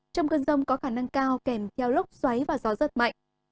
trong cơn rông có khả năng cao kèm theo lốc xoáy và gió rất mạnh